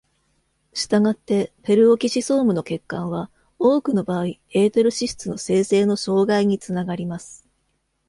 したがって、ペルオキシソームの欠陥は、多くの場合、エーテル脂質の生成の障害につながります。